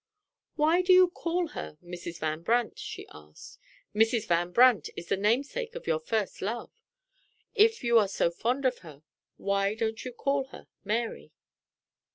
"Why do you call her Mrs. Van Brandt?" she asked. "Mrs. Van Brandt is the namesake of your first love. If you are so fond of her, why don't you call her Mary?"